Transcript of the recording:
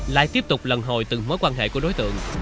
lại tiếp tục lần hồi từng mối quan hệ của đối tượng